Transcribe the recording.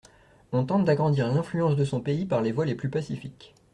On tente d'agrandir l'influence de son pays par les voies les plus pacifiques.